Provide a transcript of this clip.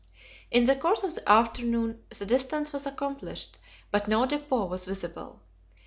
In the course of the afternoon the distance was accomplished, but no depot was visible.